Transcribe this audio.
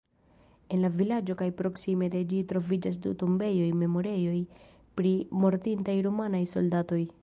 En la vilaĝo kaj proksime de ĝi troviĝas du tombejoj-memorejoj pri mortintaj rumanaj soldatoj.